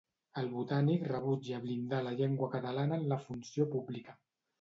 El Botànic rebutja blindar la llengua catalana en la funció pública.